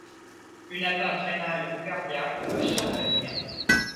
Une atteinte rénale ou cardiaque peuvent survenir.